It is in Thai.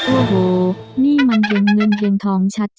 โอ้โหนี่มันเห็นเงินเพียงทองชัด